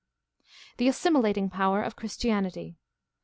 The assimilating power of Christianity.